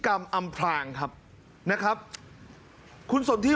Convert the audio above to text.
โหวตวันที่๒๒